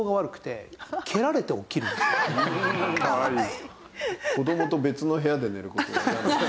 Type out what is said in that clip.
かわいい。